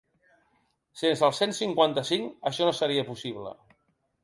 Sense el cent cinquanta-cinc això no seria possible.